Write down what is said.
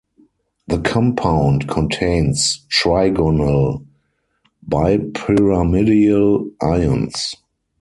The compound contains trigonal bipyramidal ions.